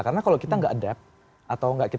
karena kalau kita nggak adapt atau kita tidak adapt